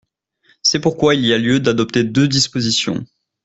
C’est pourquoi il y a lieu d’adopter deux dispositions.